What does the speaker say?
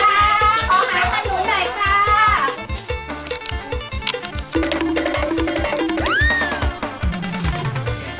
ขอหาขนุนหน่อยค่ะ